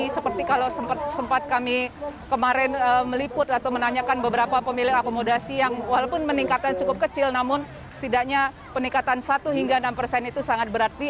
seperti kalau sempat kami kemarin meliput atau menanyakan beberapa pemilik akomodasi yang walaupun meningkatkan cukup kecil namun setidaknya peningkatan satu hingga enam persen itu sangat berarti